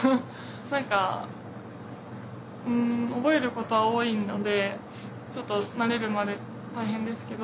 何か覚えることは多いのでちょっと慣れるまで大変ですけど。